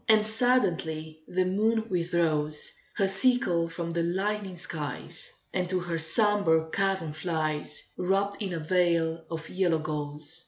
And suddenly the moon withdraws Her sickle from the lightening skies, And to her sombre cavern flies, Wrapped in a veil of yellow gauze.